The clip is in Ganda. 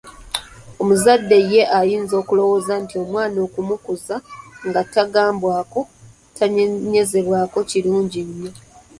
Omuzadde ye ayinza okulowooza nti omwana okumukuza nga tagambwako, tanenyezebwa kirungi nyo.